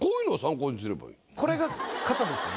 これが型ですよね？